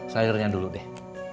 sayurnya dulu deh